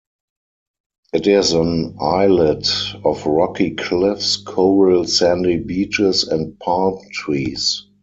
It is an islet of rocky cliffs, coral sandy beaches, and palm trees.